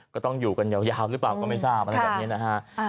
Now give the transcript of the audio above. ก็ต้องอยู่กันยาวหรือเปล่าก็ไม่ทราบอะไรแบบนี้นะฮะ